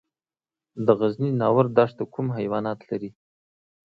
د غزني ناور دښته کوم حیوانات لري؟